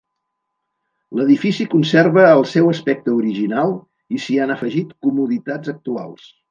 L'edifici conserva el seu aspecte original i s'hi han afegit comoditats actuals.